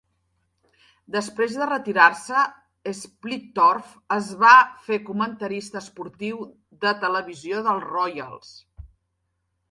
Després de retirar-se, Splittorff es va fer comentarista esportiu de televisió dels Royals.